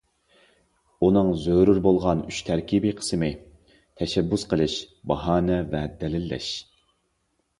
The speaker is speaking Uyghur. ئۇنىڭ زۆرۈر بولغان ئۈچ تەركىبىي قىسمى: تەشەببۇس قىلىش، باھانە ۋە دەلىللەش.